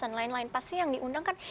dan lain lain pasti yang diundangkan